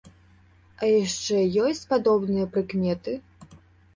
А яшчэ ёсць падобныя прыкметы?